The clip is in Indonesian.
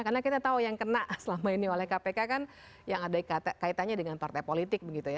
karena kita tahu yang kena selama ini oleh kpk kan yang ada kaitannya dengan partai politik begitu ya